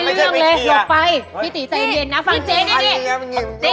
เล่นแต่ก้าวไม่เล่นหน้าทั้งละ